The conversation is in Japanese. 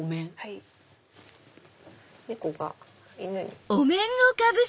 猫が犬に。